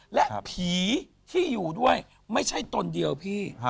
และผีที่อยู่ด้วยไม่ใช่ตนเดียวพี่